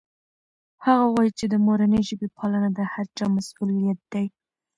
هغه وویل چې د مورنۍ ژبې پالنه د هر چا مسؤلیت دی.